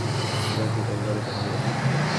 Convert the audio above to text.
দেখি তাকে কতটা ভালবাসো।